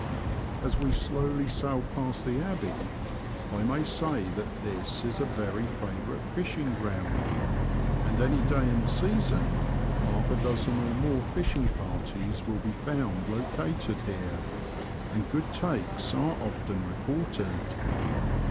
As we slowly sail past the Abbey, I may say that this is a very fiavourite fishing ground, and any day in the season half a« dozen or more fishing parties will be found located here, and good takes are often reported.